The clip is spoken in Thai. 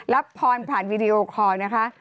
รับพรผ่านวีดีโอคอลนะคะ